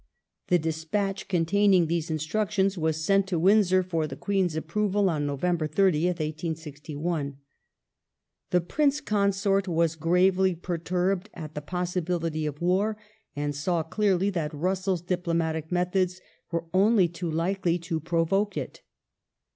The despatch containing these instructions was sent to Windsor for the Queen's approval on November 30th, 1861. The Prince Consort was gravely perturbed at the possibility of war, and saw clearly that Russell's diplomatic methods were only too likely to provoke it.